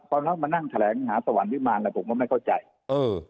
พอเรามานั่งแถลงหาสวรรค์วิมารอะไรผมก็ไม่เข้าใจเออ